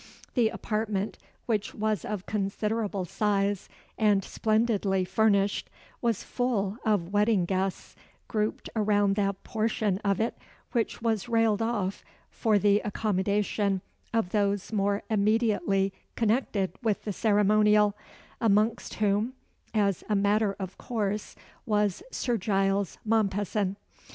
The apartment, which was of considerable size and splendidly furnished, was full of wedding guests, grouped around that portion of it which was railed off for the accommodation of those more immediately connected with the ceremonial, amongst whom, as a matter of course, was Sir Giles Mompesson.